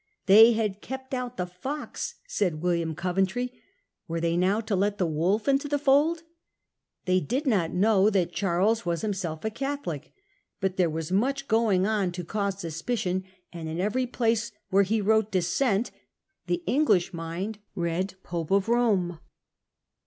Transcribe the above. They had kept out the fox, said William Coventry, were they now to let the wolf into the fold ? They did not know that Charles was himself a Catholic. But there was much going on to cause sus picion, and in every place where he wrote ' Dissent ' the English mind read ' Pope of Rome.